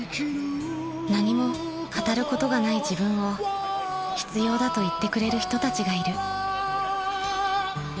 ［何も語ることがない自分を必要だと言ってくれる人たちがいる］